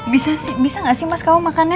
bisa sih bisa gak sih mas kamu makan ya